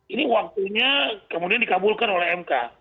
ini waktunya kemudian dikabulkan oleh mk